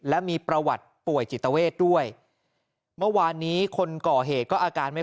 และมีประวัติป่วยจิตเวทด้วยเมื่อวานนี้คนก่อเหตุก็อาการไม่